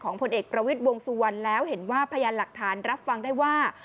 ผลเอกประวิทย์วงสุวรรณแล้วเห็นว่าพยานหลักฐานรับฟังได้ว่า